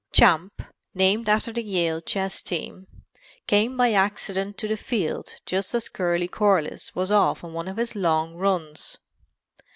Champ, named after the Yale chess team, came by accident to the field just as Curly Corliss was off on one of his long runs.